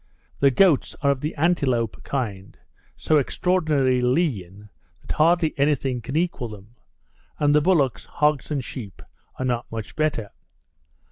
The goats are of the antelope kind, so extraordinarily lean, that hardly any thing can equal them; and the bullocks, hogs, and sheep, are not much better.